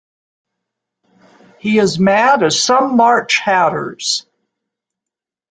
He is mad as some March hatters.